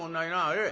ええ？